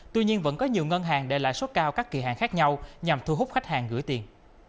tuy nhiên vẫn có nhiều ngân hàng để lại suất cao các kỳ hạng khác nhau nhằm thu hút khách hàng gửi tiền